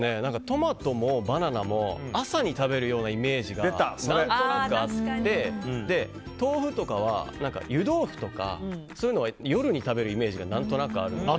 トマトもバナナも朝に食べるようなイメージが何となくあって豆腐とかは湯豆腐とかそういうのは夜に食べるイメージが何となくあるので。